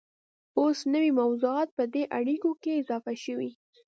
اوس نوي موضوعات په دې اړیکو کې اضافه شوي